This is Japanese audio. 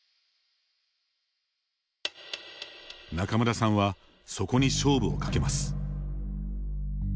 仲邑さんはそこに勝負をかけます。